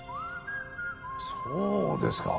そうですか。